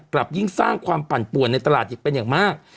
กลับยิ่งสร้างความปั่นป่วนในตลาดอีกเป็นอย่างมาก